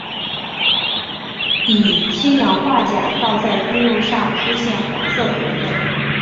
以氢氧化钾倒在菌肉上会出现黄色着色。